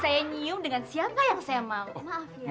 saya nyiung dengan siapa yang saya mau maaf ya